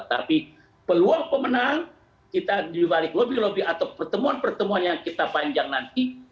tapi peluang pemenang kita dibalik lobby lobby atau pertemuan pertemuan yang kita panjang nanti